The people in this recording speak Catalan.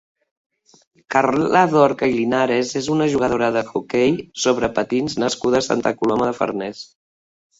Carla Dorca i Linares és una jugadora d'hoquei sobre patins nascuda a Santa Coloma de Farners.